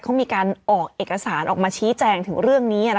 เขามีการออกเอกสารออกมาชี้แจงถึงเรื่องนี้